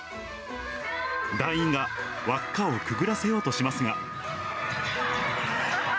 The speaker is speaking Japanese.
団員が輪っかをくぐらせようとしますが。